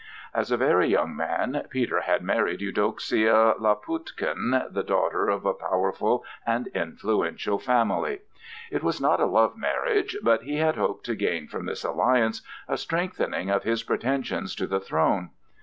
As a very young man Peter had married Eudoxia Laputkin, the daughter of a powerful and influential family. It was not a love marriage, but he had hoped to gain from this alliance a strengthening of his pretensions to the throne.